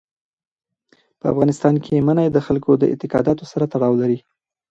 په افغانستان کې منی د خلکو د اعتقاداتو سره تړاو لري.